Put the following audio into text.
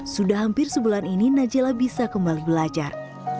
sudah hampir sebulan ini najila bisa kembali belajar